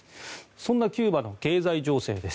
そんなキューバの経済情勢です。